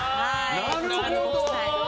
なるほど。